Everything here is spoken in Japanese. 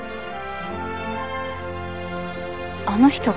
あの人が？